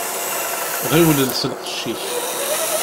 Ɣiwel els lqecc-ik.